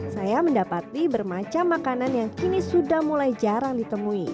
saya mendapati bermacam makanan yang kini sudah mulai jarang ditemui